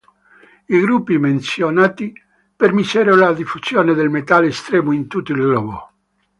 I gruppi menzionati permisero la diffusione del metal estremo in tutto il globo.